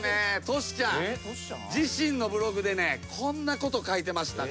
トシちゃん自身のブログでねこんなこと書いてました。